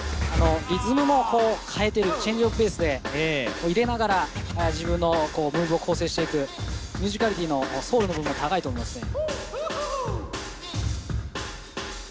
リズムも変えてるチェンジオブペース、入れながら自分のムーブを構成していくミュージカリティーのソウルの部分も高いと思いますね。